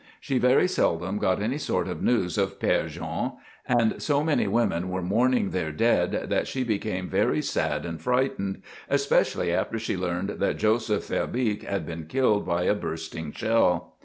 She very seldom got any sort of news of Père Jean, and so many women were mourning their dead that she became very sad and frightened, especially after she learned that Joseph Verbeeck had been killed by a bursting shell.